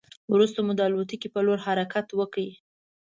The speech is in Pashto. وروسته مو د الوتکې په لور حرکت وکړ.